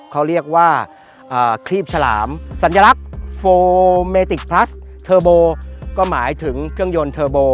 เขาเรียกว่าครีบฉลามสัญลักษณ์โฟเมติกพลัสเทอร์โบก็หมายถึงเครื่องยนต์เทอร์โบ